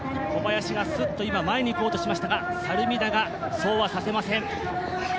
小林が今、前に行こうとしましたが猿見田が、そうはさせません。